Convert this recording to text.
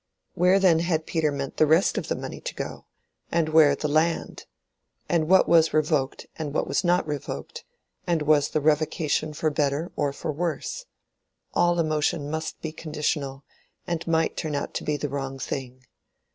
Where then had Peter meant the rest of the money to go—and where the land? and what was revoked and what not revoked—and was the revocation for better or for worse? All emotion must be conditional, and might turn out to be the wrong thing.